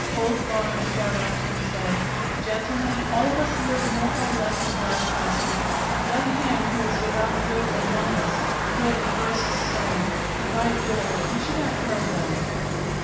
Old Barnes got up and said: "Gentlemen, all of us live more or less in glass houses. Let him who is without guilt among us throw the first stone!" By George! You should have heard them!